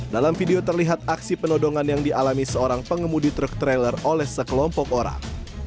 dalam video terlihat aksi penodongan yang dialami seorang pengemudi truk trailer oleh sekelompok orang